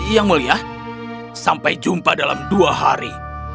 yang mulia sampai jumpa dalam dua hari